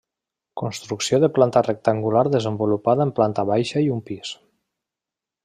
Construcció de planta rectangular desenvolupada en planta baixa i un pis.